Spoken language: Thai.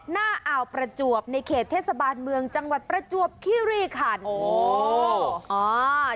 หน้าอ่าวประจวบในเขตเทศบาลเมืองจังหวัดประจวบคิริขันโอ้โห